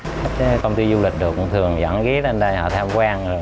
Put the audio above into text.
các công ty du lịch được thường dẫn ghé lên đây họ tham quan